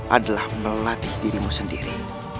adalah melatih dirimu sendiri